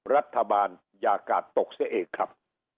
รัฐบาลอย่ากาดตกเสียเองครับ